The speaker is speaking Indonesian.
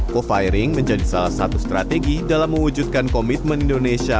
co firing menjadi salah satu strategi dalam mewujudkan komitmen indonesia